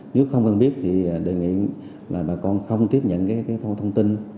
nếu không còn biết thì đề nghị là bà con không tiếp nhận thông tin